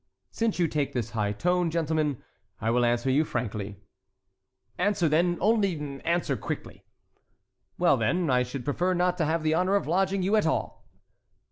"Since you take this high tone, gentlemen, I will answer you frankly." "Answer, then; only answer quickly." "Well, then, I should prefer not to have the honor of lodging you at all."